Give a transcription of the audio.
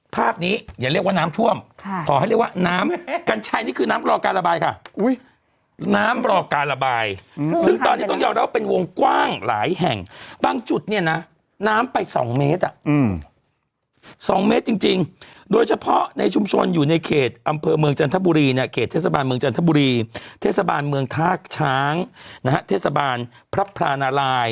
ภาพนี้อย่าเรียกว่าน้ำท่วมขอให้เรียกว่าน้ำกัญชัยนี่คือน้ำรอการระบายค่ะน้ำรอการระบายซึ่งตอนนี้ต้องยอมรับเป็นวงกว้างหลายแห่งบางจุดเนี่ยนะน้ำไปสองเมตรอ่ะสองเมตรจริงโดยเฉพาะในชุมชนอยู่ในเขตอำเภอเมืองจันทบุรีเนี่ยเขตเทศบาลเมืองจันทบุรีเทศบาลเมืองท่าช้างนะฮะเทศบาลพระพรานาราย